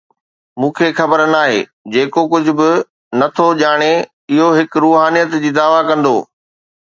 مون کي خبر ناهي، جيڪو ڪجهه به نه ٿو ڄاڻي، اهو هڪ روحانيت جي دعوي ڪندو.